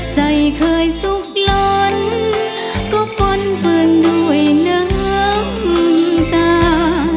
ใจเคยสุขหล่อนก็ป้นเผืองด้วยน้ำตา